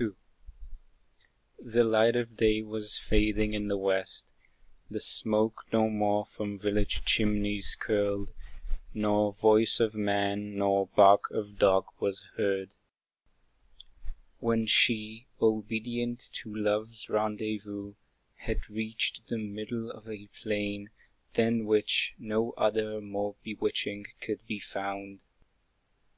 II. The light of day was fading in the west, The smoke no more from village chimneys curled, Nor voice of man, nor bark of dog was heard; When she, obedient to Love's rendezvous, Had reached the middle of a plain, than which No other more bewitching could be found.